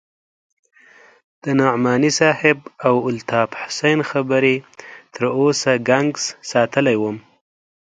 د نعماني صاحب او الطاف حسين خبرې تر اوسه گنگس ساتلى وم.